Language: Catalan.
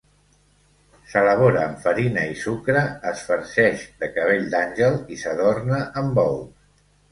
S'elabora amb farina i sucre, es farceix de cabell d'àngel i s'adorna amb ous.